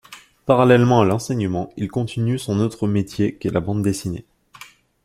Parallèlement à l’enseignement, il continue son autre métier qu’est la bande dessinée.